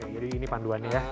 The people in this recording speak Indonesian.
jadi ini panduannya ya